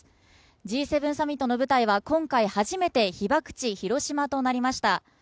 Ｇ７サミットの舞台は今回初めて被爆地・広島となりました。